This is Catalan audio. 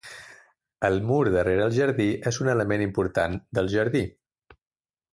El mur darrere el jardí és un element important del jardí.